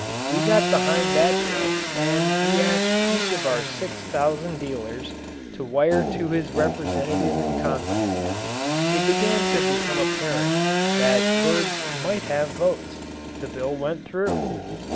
We got behind that bill and we asked each of our six thousand dealers to wire to his representative in Congress. It began to become apparent that birds might have votes; the bill went through.